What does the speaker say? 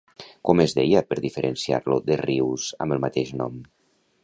Com es deia per diferenciar-lo de rius amb el mateix nom?